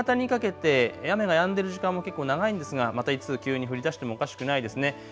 夕方にかけて雨がやんでいる時間も結構長いんですがまたいつ急に降りだしてもおかしくないですね。